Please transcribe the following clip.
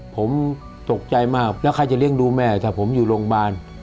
ผมตกใจมากแล้วใครจะเลี้ยงดูแม่ถ้าผมอยู่โรงพยาบาล